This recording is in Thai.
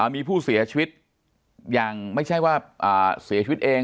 มีผู้เสียชีวิตอย่างไม่ใช่ว่าเสียชีวิตเอง